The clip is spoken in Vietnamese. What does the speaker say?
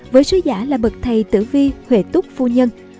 với sứ giả là bậc thầy tử vi huệ túc phu nhân